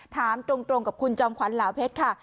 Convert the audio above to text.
ถามตรงกับคุณจอมขวัญลาวเพชรค่ะ